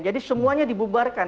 jadi semuanya dibubarkan